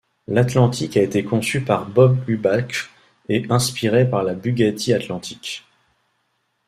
L'Atlantic a été conçu par Bob Hubbach et inspiré par la Bugatti Atlantic.